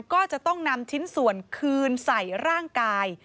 ก็จะต้องนำชิ้นส่วนคืนใส่ร่างกาย